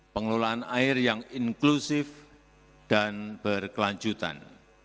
pengelolaan air yang inklusif dan berkelanjutan